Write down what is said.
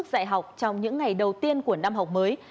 tổ chức dạy học trong những ngày đầu tiên của năm học mới